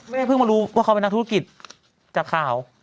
แม่เพิ่งมารู้ว่าเขาเป็นนักธุรกิจจากข่าว